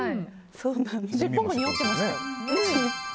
そうなんですね。